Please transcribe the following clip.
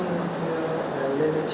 chẳng còn gọi đến lúc xe